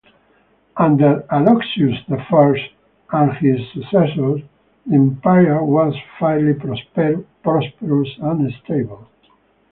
Under Alexios I and his successors the Empire was fairly prosperous and stable.